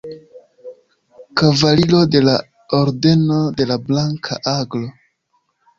Kavaliro de la Ordeno de la Blanka Aglo.